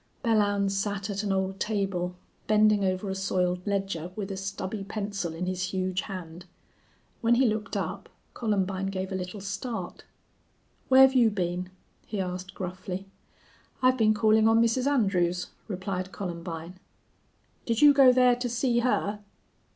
Belllounds sat at an old table, bending over a soiled ledger, with a stubby pencil in his huge hand. When he looked up Columbine gave a little start. "Where've you been?" he asked, gruffly. "I've been calling on Mrs. Andrews," replied Columbine. "Did you go thar to see her?"